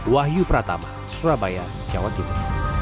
wahyu pratama surabaya jawa timur